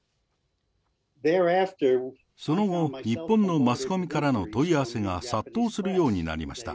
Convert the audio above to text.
その後、日本のマスコミからの問い合わせが殺到するようになりました。